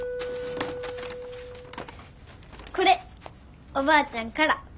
これおばあちゃんから。